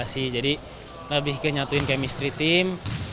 tim dari viet nam sea games